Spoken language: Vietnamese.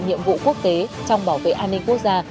nhiệm vụ quốc tế trong bảo vệ an ninh quốc gia